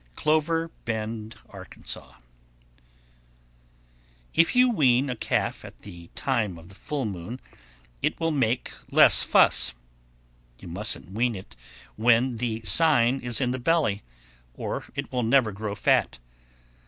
Clover Bend, Ark. 1130. If you wean a calf at the time of the full moon, it will make less fuss. You mustn't wean it when the sign is in the belly, or it will never grow fat.